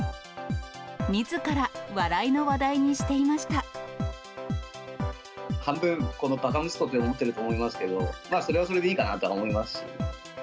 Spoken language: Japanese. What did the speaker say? みずから笑いの話題にしていまし半分、ばか息子って思ってると思いますけど、それはそれでいいかなとは思います。